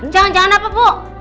jangan jangan apa bu